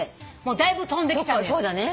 だいぶ飛んできたのよ。